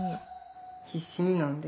必死に飲んで。